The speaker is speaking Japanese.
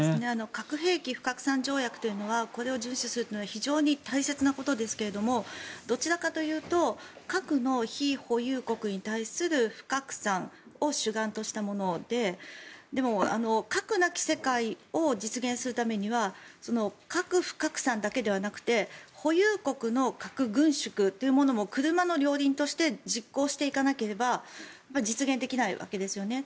核兵器不拡散条約というのはこれを順守するのは非常に大切なことですがどちらかというと核の非保有国に対する不拡散を主眼としたものででも、核なき世界を実現するためには核不拡散だけではなくて保有国の核軍縮というものも車の両輪として実行していかなければ実現できないわけですよね。